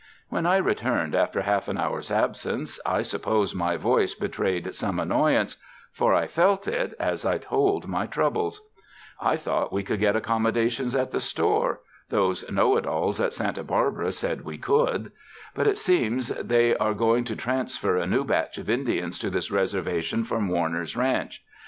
When I returned after half an hour's absence, I suppose my voice betrayed some annoyance, for I felt it, as I told my troubles: "I thought we could get accommodations at the store — those know it alls at Santa Barbara said we could; but it seems they are going to transfer a new batch of Indians to this reservation from Warner's Ranch.